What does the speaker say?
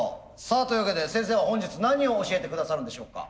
さあというわけで先生は本日何を教えて下さるんでしょうか？